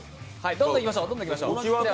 どんどんいきましょう。